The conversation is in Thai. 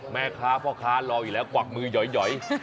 แม่ค้าพ่อค้ารออยู่แล้วกวักมือหย่อย